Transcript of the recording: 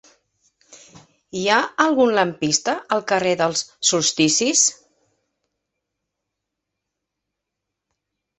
Hi ha algun lampista al carrer dels Solsticis?